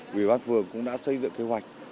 vì văn phường cũng đã xây dựng kế hoạch